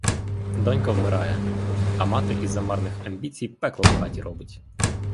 Донька вмирає, а мати із-за марних амбіцій пекло в хаті робить.